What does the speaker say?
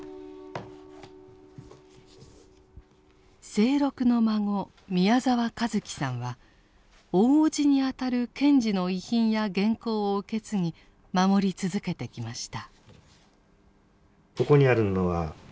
清六の孫宮澤和樹さんは大伯父にあたる賢治の遺品や原稿を受け継ぎ守り続けてきました。